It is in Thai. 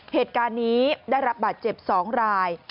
เหตุการณ์นี้ได้รับบาดเจ็บ๒ราย